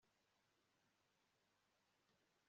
kurya ibiribwa bifite byinshi